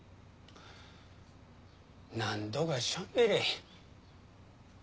何とかしゃべれ。